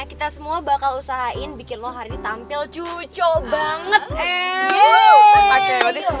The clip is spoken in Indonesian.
kita semua bakal usahain bikin lo hari ini tampil cucok banget em